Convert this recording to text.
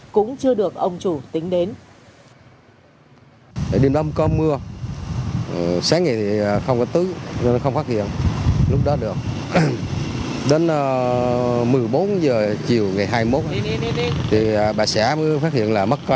cũng chưa được ông chủ tính đến